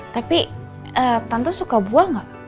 tapi tante suka buah gak